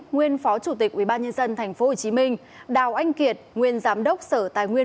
nguyên phó chủ tịch ubnd tp hcm đào anh kiệt nguyên giám đốc sở tài nguyên